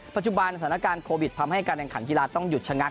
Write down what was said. ปัจจุบันสถานการณ์โควิดทำให้การแข่งขันกีฬาต้องหยุดชะงัก